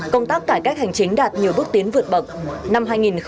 công tác cải cách hành chính đạt nhiều bước tiến vượt bậc